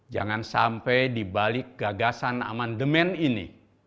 jangan sampai di balik gagasan aman demen ini